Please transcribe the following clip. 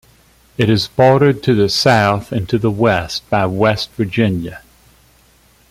It is bordered to the south and the west by West Virginia.